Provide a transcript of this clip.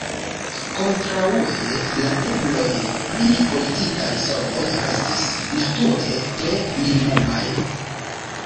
Kontraŭe, la ebloj pri politikaj solvoj restis, nature, tre minimumaj.